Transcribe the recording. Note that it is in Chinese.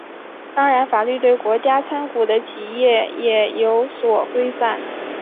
当然法律对国家参股的企业也有所规范。